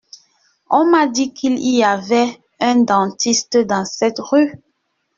On m’a dit qu’il y avait un dentiste dans cette rue…